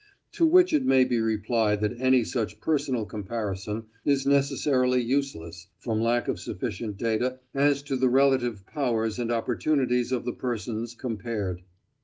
To which it may be replied that any such personal comparison is necessarily useless, from lack of sufficient data as to the relative powers and opportunities of the persons compared.